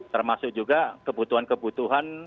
termasuk juga kebutuhan kebutuhan